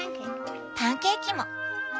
パンケーキも。